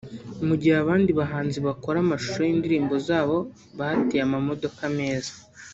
Mu gihe abandi bahanzi bakora amashusho y’indirimbo zabo batiye amamodoka meza